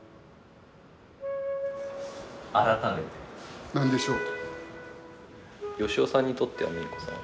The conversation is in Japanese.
改めて。何でしょう？